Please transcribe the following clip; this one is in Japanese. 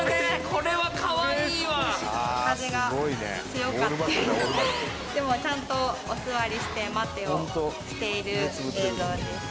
これはかわいいわ風が強かってでもちゃんとお座りして待てをしている映像です